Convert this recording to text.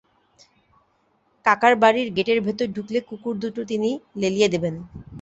কাকার বাড়ির গেটের ভেতর ঢুকলে কুকুর দুটো তিনি লেলিয়ে দেবেন।